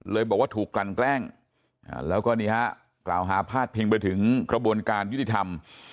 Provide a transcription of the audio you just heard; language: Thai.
บอกว่าถูกกลั่นแกล้งแล้วก็นี่ฮะกล่าวหาพาดพิงไปถึงกระบวนการยุติธรรม